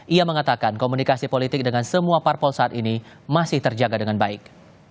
ia mengatakan komunikasi politik dengan semua parpol saat ini masih terjaga dengan baik